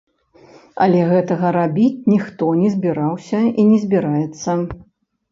Але гэтага рабіць ніхто не збіраўся і не збіраецца.